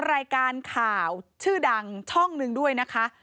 รายการข่าวชื่อดังช่องหนึ่งด้วยนะคะ